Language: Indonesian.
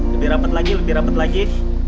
lebih rapet lagi lebih rapet lagi